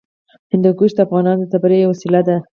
هندوکش د افغانانو د تفریح یوه وسیله ده.